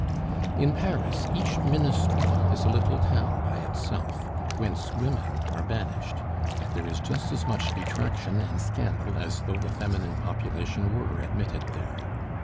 In Paris each ministry is a little town by itself, whence women are banished; but there is just as much detraction and scandal as though the feminine population were admitted there.